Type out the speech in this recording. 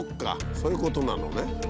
そういうことなのね。